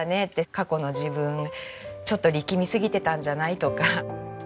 過去の自分ちょっと力みすぎてたんじゃない？とか。